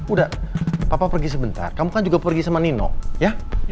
udah papa pergi sebentar kamu kan juga pergi sama nino ya